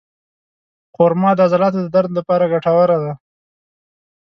خرما د عضلاتو د درد لپاره ګټوره ده.